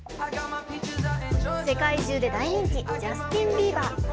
世界中で大人気ジャスティン・ビーバー。